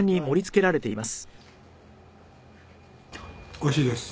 「おいしいです。